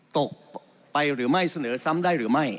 ตกไปหรือไม่เสนอซ้ำได้หรือไม่